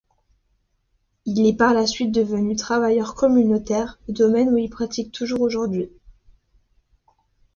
Il est par la suite devenu travailleur communautaire, domaine où il pratique toujours aujourd'hui.